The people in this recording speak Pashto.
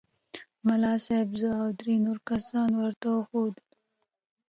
ملا صاحب زه او درې نور کسان ورته وښوولو.